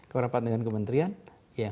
kalau rapat dengan kementerian ya hadir gubernur